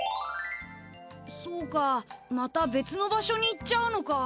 そうかまた別の場所に行っちゃうのか。